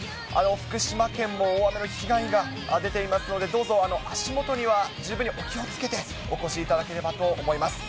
福島県も大雨の被害が出ていますので、どうぞ足元には十分にお気をつけてお越しいただければと思います。